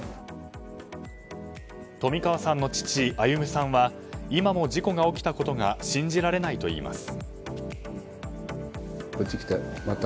冨川さんの父・歩さんは今も事故が起きたことが信じられないといいます。